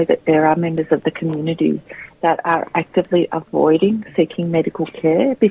ada beberapa pengalaman yang sangat serius pada orang orang yang sedang memiliki kursi kursi hidup